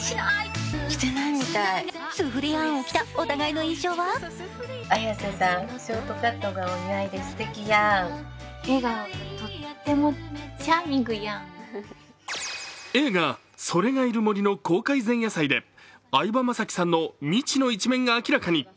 スフレヤーンを着たお互いの印象は映画「“それ”がいる森」の公開前夜祭で相葉雅紀さんの未知の一面が明らかに。